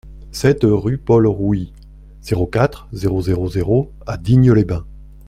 sept rue Paul Rouit, zéro quatre, zéro zéro zéro à Digne-les-Bains